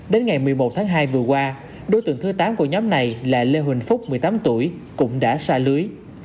đến ngày một mươi một tháng hai vừa qua đối tượng thứ tám của nhóm này là lê huỳnh phúc một mươi tám tuổi cũng đã xa lưới